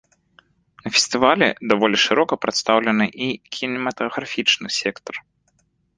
На фестывалі даволі шырока прадстаўлены і кінематаграфічны сектар.